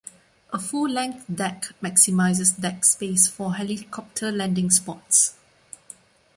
A full-length deck maximises deck space for helicopter landing spots.